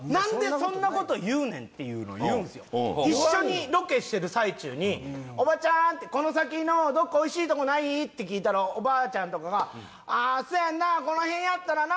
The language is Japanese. いやそんなことない一緒にロケしてる最中に「おばちゃんこの先のどっかおいしいとこない？」って聞いたらおばあちゃんとかが「そやなこの辺やったらな」